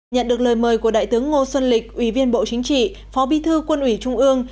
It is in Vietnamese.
nhận được lời mời của đại tướng ngô xuân lịch ủy viên bộ chính trị phó bi thư quân ủy trung ương